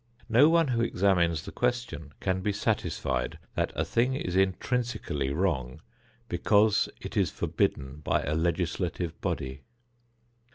No one who examines the question can be satisfied that a thing is intrinsically wrong because it is forbidden by a legislative body.